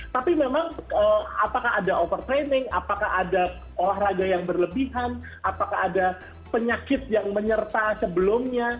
tapi memang apakah ada overtraining apakah ada olahraga yang berlebihan apakah ada penyakit yang menyerta sebelumnya